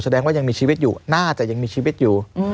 แสดงว่ายังมีชีวิตอยู่น่าจะยังมีชีวิตอยู่